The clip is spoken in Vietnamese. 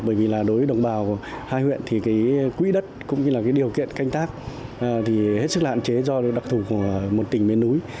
bởi vì đối với đồng bào hai huyện thì quỹ đất cũng như điều kiện canh tác hết sức là hạn chế do đặc thủ của một tỉnh miền núi